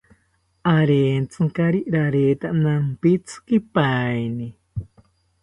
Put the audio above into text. Arentzinkari rareta nampitzikipaeni